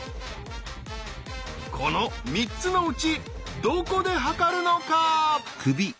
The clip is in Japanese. この３つのうちどこで測るのか？